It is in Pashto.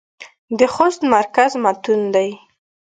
د خوست مرکز متون دى.